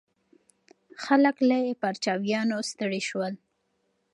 خلک له پرچاوینو ستړي شول.